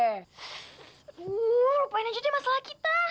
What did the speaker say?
aduh lupain aja deh masalah kita